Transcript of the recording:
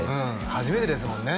初めてですもんね